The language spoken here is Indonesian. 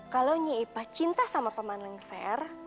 kalau nyipah cinta sama pemain lengser